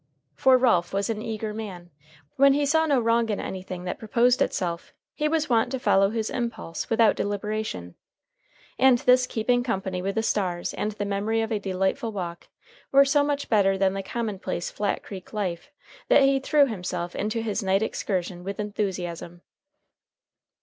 For Ralph was an eager man when he saw no wrong in anything that proposed itself, he was wont to follow his impulse without deliberation. And this keeping company with the stars, and the memory of a delightful walk, were so much better than the commonplace Flat Creek life that he threw himself into his night excursion with enthusiasm.